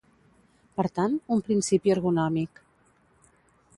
Per tant, un principi ergonòmic.